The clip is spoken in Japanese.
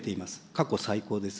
過去最高です。